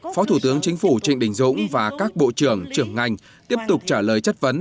phó thủ tướng chính phủ trịnh đình dũng và các bộ trưởng trưởng ngành tiếp tục trả lời chất vấn